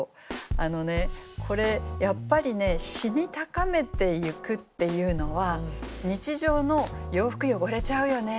あのねこれやっぱりね詩に高めていくっていうのは日常の「洋服汚れちゃうよね」